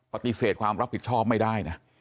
ปฏิเสธความรับผิดชอบไม่ได้นะ